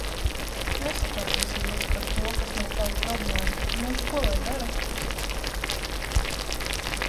Nesatraucies, Ilze, par to, kas nav tava problēma! Nu, ko lai dara?